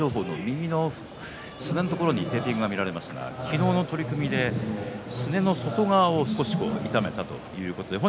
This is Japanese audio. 大翔鵬の右のすねのところにテーピングがありますが昨日の取組ですねの外側を少し痛めたということです。